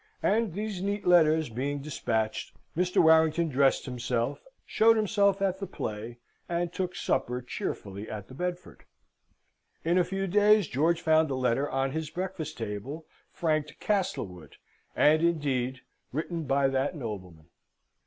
And, these neat letters being despatched, Mr. Warrington dressed himself, showed himself at the play, and took supper cheerfully at the Bedford. In a few days George found a letter on his breakfast table franked "Castlewood," and, indeed, written by that nobleman.